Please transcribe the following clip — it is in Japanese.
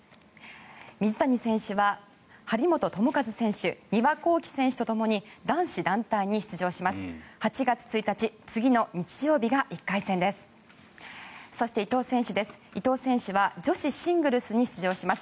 水谷選手は張本智和選手丹羽孝希選手とともに男子団体に出場します。